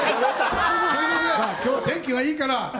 今日は天気がいいから。